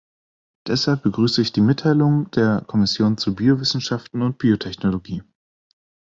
Deshalb begrüße ich die Mitteilung der Kommission zu Biowissenschaften und Biotechnologie.